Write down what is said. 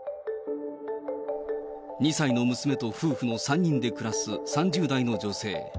２歳の娘と夫婦の３人で暮らす３０代の女性。